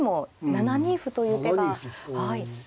７五歩という手も。